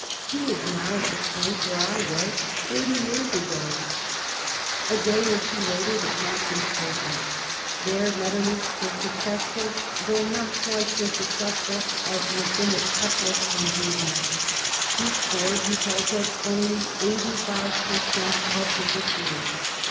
He is now at the point where I was thirty years ago." A day or two later the Conference f opened. There Metternich was successful, though not quite so successful, as he had been at Teplitz and Vienna. He scored, he tells us, only eighty five per sent, of the victories.